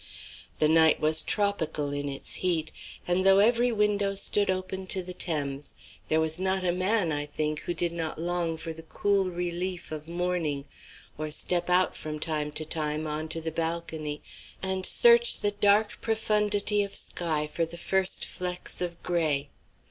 The night was tropical in its heat, and though every window stood open to the Thames, there was not a man, I think, who did not long for the cool relief of morning, or step out from time to time on to the balcony and search the dark profundity of sky for the first flecks of grey.